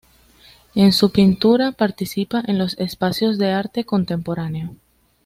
En su pintura participa en los espacios de arte contemporáneo.